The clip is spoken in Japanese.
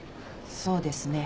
そうですね。